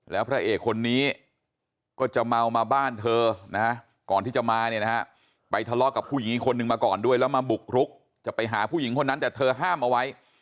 แล้วพระเอกคนนี้ก็จะเมามาบ้านเธอนะก่อนที่จะมาเนี่ยนะฮะไปทะเลาะกับผู้หญิงอีกคนนึงมาก่อนด้วยแล้วมาบุกรุกจะไปหาผู้หญิงคนนั้นแต่เธอห้ามเอาไว้